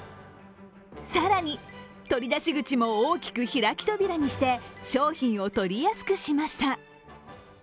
更に取り出し口も大きく開き扉にして商品を取りやすくしました。